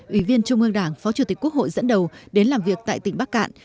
ủy viên trung ương đảng phó chủ tịch quốc hội dẫn đầu đến làm việc tại tỉnh bắc cạn